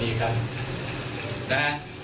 นะฮะ